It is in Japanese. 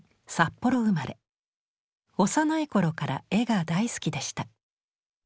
幼い頃から絵が大好きでした。